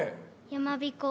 「やまびこ」。